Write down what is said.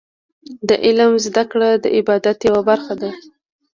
د علم زده کړه د عبادت یوه برخه ده.